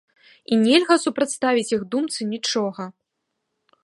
І нельга супрацьпаставіць іх думцы нічога!